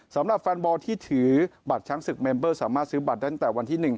สำหรับแฟนบอลที่ถือบัตรช้างศึกเมมเบอร์สามารถซื้อบัตรได้ตั้งแต่วันที่๑